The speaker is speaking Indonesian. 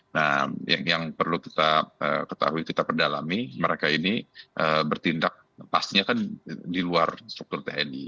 nah yang perlu kita ketahui kita perdalami mereka ini bertindak pastinya kan di luar struktur tni